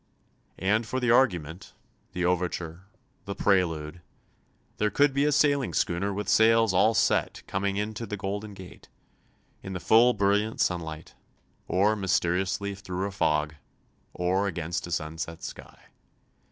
And for the argument, the overture, the prelude, there could be a sailing schooner with sails all set coming into the Golden Gate, in the full brilliant sunlight, or mysteriously through a fog, or against a sunset sky.